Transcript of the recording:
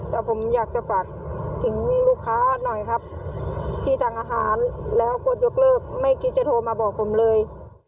แต่ผมอยากจะฝากถึงลูกค้าหน่อยครับที่สั่งอาหารแล้วก็ยกเลิกไม่คิดจะโทรมาบอกผมเลย